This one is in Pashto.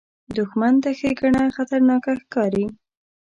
دښمن ته ښېګڼه خطرناکه ښکاري